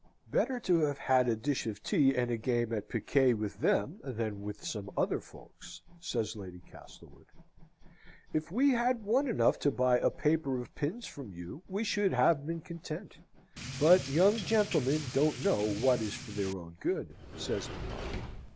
"Better to have had a dish of tea and a game at piquet with them than with some other folks," says Lady Castlewood. "If we had won enough to buy a paper of pins from you we should have been content; but young gentlemen don't know what is for their own good," says mamma.